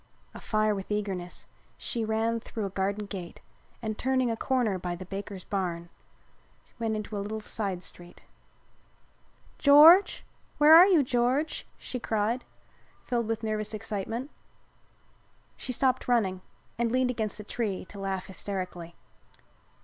Afire with eagerness she ran through a garden gate and, turning a corner by the banker's barn, went into a little side street. "George! Where are you, George?" she cried, filled with nervous excitement. She stopped running, and leaned against a tree to laugh hysterically.